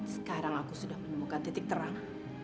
sekarang aku sudah menemukan titik terang